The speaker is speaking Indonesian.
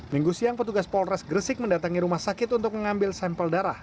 minggu siang petugas polres gresik mendatangi rumah sakit untuk mengambil sampel darah